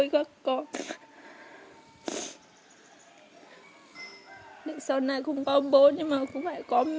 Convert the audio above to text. bây giờ em cũng suốt ngày đi làm